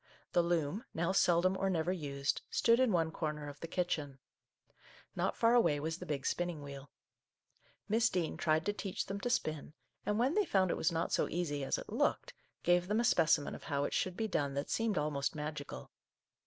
The loom, now seldom or never used, stood in one corner of the kitchen. Not far away was the big spin ning wheel. Miss Dean tried to teach them to spin, and when they found it was not so easy as it looked, gave them a specimen of how it should be done that seemed almost magical.